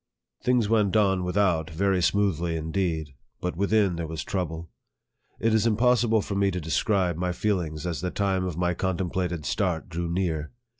Things went on without very smoothly indeed, but within there was trouble. It is impossible for me to describe my feelings as the time of my contemplated start drew near.